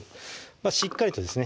しっかりとですね